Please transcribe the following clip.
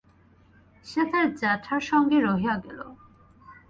সে তার জ্যাঠার সঙ্গেই রহিয়া গেল।